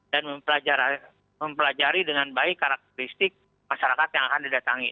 dan mempelajari dengan baik karakteristik masyarakat yang akan didatangi